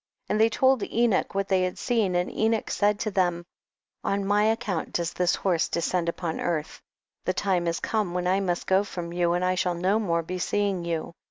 And they told Enoch what they had seen, and Enoch said to them, on my account does this horse descend upon earth ; the time is come when I must go from you and I shall no more be seen by you.